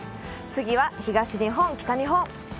次は東日本、北日本。